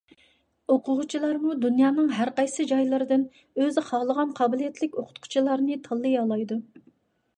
ئوقۇغۇچىلارمۇ دۇنيانىڭ ھەر قايسى جايلىرىدىن ئۆزى خالىغان قابىلىيەتلىك ئوقۇتقۇچىلارنى تاللىيالايدۇ.